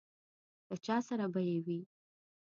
له چا سره به یې وي.